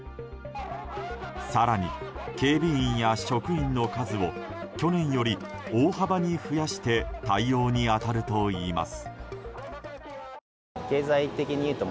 更に、警備員や職員の数を去年より大幅に増やして対応に当たるといいます。